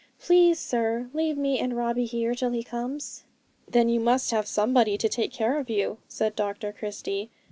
Please, sir, leave me and Robbie here till he comes.' 'Then you must have somebody to take care of you,' said Dr Christie.